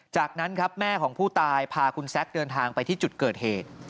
จากนั้นครับแม่ของผู้ตายพาคุณแซคเดินทางไปที่จุดเกิดเหตุ